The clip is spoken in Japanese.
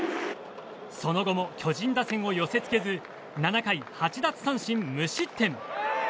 その後も巨人打線を寄せ付けず７回８奪三振無失点。